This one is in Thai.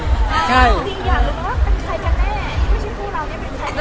อยากรู้ว่าเป็นใครแน่